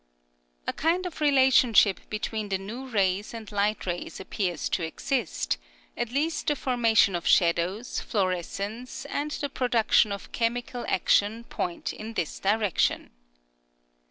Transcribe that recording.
A kind of relationship between the new rays and light rays appears to exist; at least the formation of shadows, fluorescence, and the production of chemical action point in this direction.